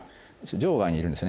城外にいるんですね